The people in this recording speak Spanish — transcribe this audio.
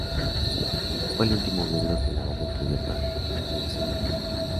Fue el último miembro que la banda incluyó para la alineación actual.